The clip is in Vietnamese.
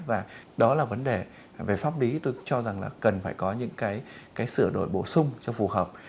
và đó là vấn đề về pháp lý tôi cho rằng là cần phải có những cái sửa đổi bổ sung cho phù hợp